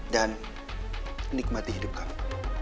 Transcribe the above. dan nikmati hidup kamu